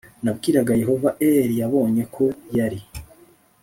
nabwiraga Yehova Eli yabonye ko yari